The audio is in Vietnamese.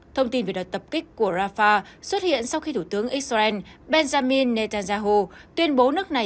thông tin về đợt tập kích của rafah xuất hiện sau khi thủ tướng israel benjamin netanyahu tuyên bố nước này